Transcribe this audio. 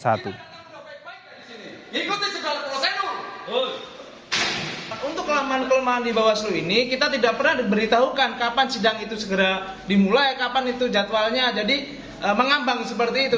untuk kelemahan kelemahan di bawaslu ini kita tidak pernah diberitahukan kapan sidang itu segera dimulai kapan itu jadwalnya jadi mengambang seperti itu